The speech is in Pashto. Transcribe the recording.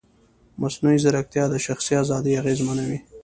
مصنوعي ځیرکتیا د شخصي ازادۍ اغېزمنوي.